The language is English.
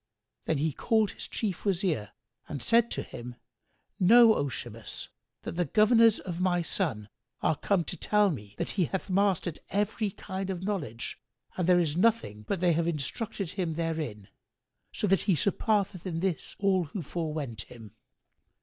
Then he called his Chief Wazir and said to him, "Know, O Shimas, that the governors of my son are come to tell me that he hath mastered every kind of knowledge and there is nothing but they have instructed him therein, so that he surpasseth in this all who forewent him.